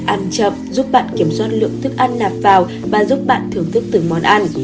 ăn chậm giúp bạn kiểm soát lượng thức ăn nạp vào và giúp bạn thưởng thức từng món ăn